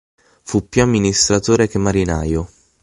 Fu più amministratore che marinaio.